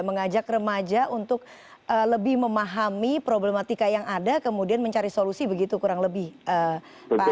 mengajak remaja untuk lebih memahami problematika yang ada kemudian mencari solusi begitu kurang lebih pak